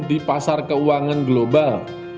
di pasar keuangan global